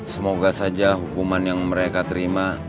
semoga saja hukuman yang mereka terima